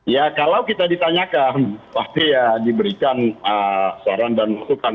ya kalau kita ditanyakan pasti ya diberikan saran dan masukan